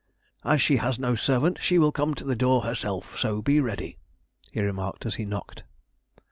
"As she has no servant, she will come to the door herself, so be ready," he remarked as he knocked.